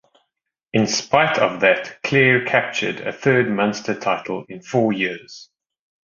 In spite of that Clare captured a third Munster title in four years.